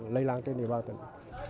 lây lan trên địa bàn tỉnh